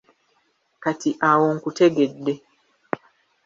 Kati awo nkutegedde.